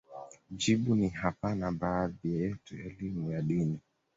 jibu ni hapana Baadhi yetu elimu ya dini